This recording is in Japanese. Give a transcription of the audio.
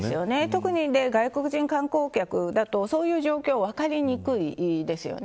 特に外国人観光客だとそういう状況が分かりにくいですよね。